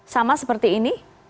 sama seperti ini